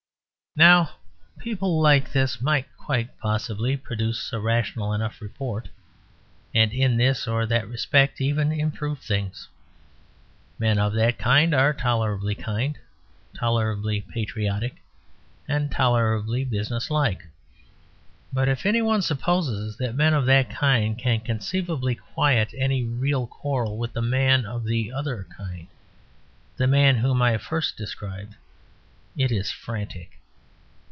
Now people like this might quite possibly produce a rational enough report, and in this or that respect even improve things. Men of that kind are tolerably kind, tolerably patriotic, and tolerably business like. But if any one supposes that men of that kind can conceivably quiet any real quarrel with the Man of the Other Kind, the man whom I first described, it is frantic.